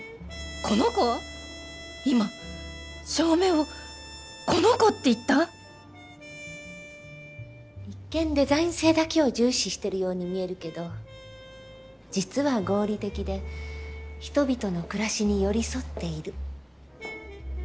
今照明を「この子」って言った⁉一見デザイン性だけを重視してるように見えるけど実は合理的で人々の暮らしに寄り添っている。